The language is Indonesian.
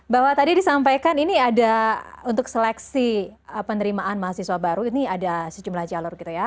bahwa tadi disampaikan ini ada untuk seleksi penerimaan mahasiswa baru ini ada sejumlah jalur gitu ya